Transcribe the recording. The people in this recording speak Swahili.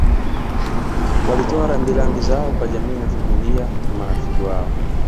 walitoa rambi rambi zao kwa jamii familia na marafiki wao